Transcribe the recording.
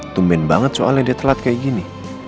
tumben banget soalnya dia telat kayak gini